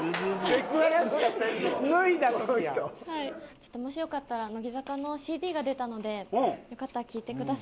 ちょっともしよかったら乃木坂のＣＤが出たのでよかったら聴いてください。